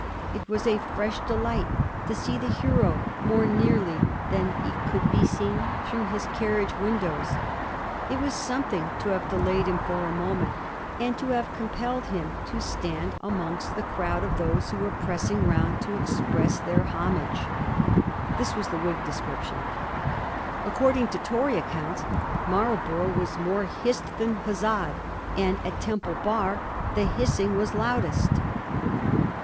It was a fresh delight to see the hero more nearly than he could be seen through his carriage windows. It was something to have delayed him for a moment, and to have compelled him to stand amongst the Digiti zed by Google 70 A HISTORY OF THE FOUR GEORGES. ch. iu. crowd of those who were pressing round to express their homage. This was the Whig description. According to Tory accounts Marlborough was more hissed than huzzaed, and at Temple Bar the hissing was loudest.